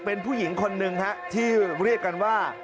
เป็นผู้หญิงคนหนึ่งฮะที่เรียกกันว่า